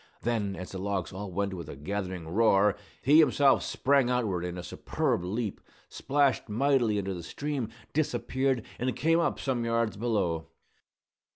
Then, as the logs all went with a gathering roar, he himself sprang outward in a superb leap, splashed mightily into the stream, disappeared, and came up some yards below.